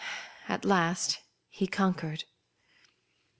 At last he conquered.